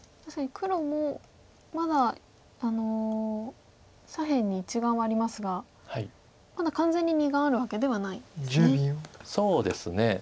確かに黒もまだ左辺に１眼はありますがまだ完全に２眼あるわけではないんですね。